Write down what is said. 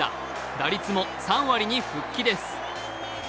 打率も３割に復帰です。